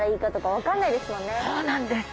そうなんです。